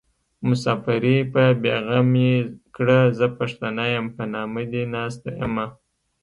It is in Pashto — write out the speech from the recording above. مساپري په بې غمي کړه زه پښتنه يم په نامه دې ناسته يمه